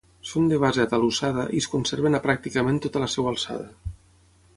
Són de base atalussada i es conserven a pràcticament tota la seva alçada.